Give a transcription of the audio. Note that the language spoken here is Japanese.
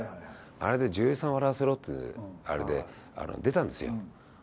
あれで女優さんを笑わせろっていうので出たんですよ